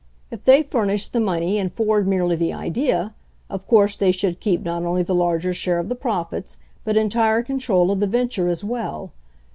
If they furnished the money and Ford merely the idea, of course they should keep not only the larger share of the profits, but entire control of the venture as well.